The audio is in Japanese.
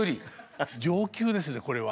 上級ですねこれは。